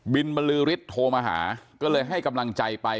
บรือฤทธิ์โทรมาหาก็เลยให้กำลังใจไป